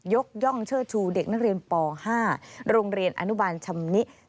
ย่องเชิดชูเด็กนักเรียนป๕โรงเรียนอนุบาลชำนิ